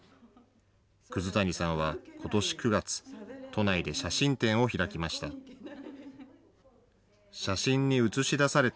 葛谷さんはことし９月、都内で写真展を開きました。